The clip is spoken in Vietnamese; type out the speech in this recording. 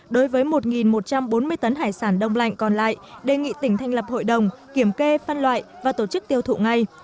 đối với một một trăm bốn mươi tấn hải sản đông lạnh còn lại đề nghị tỉnh thành lập hội đồng kiểm kê phân loại và tổ chức tiêu thụ ngay